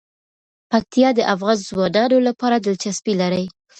پکتیا د افغان ځوانانو لپاره دلچسپي لري.